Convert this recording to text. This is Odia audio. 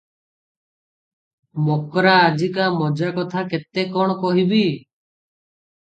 ମକ୍ରା! ଅଜିକା ମଜା କଥା କେତେ କ’ଣ କହିବି?